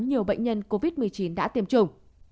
nhiều bệnh nhân covid một mươi chín đã tiêm chủng